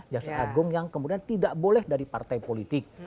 jaksa agung yang kemudian tidak boleh dari partai politik